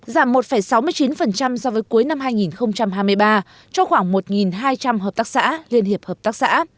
giảm một sáu mươi chín so với cuối năm hai nghìn hai mươi ba cho khoảng một hai trăm linh hợp tác xã liên hiệp hợp tác xã